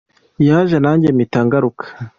Yaje nanjye mpita ngaruka.